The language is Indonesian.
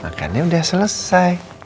makannya udah selesai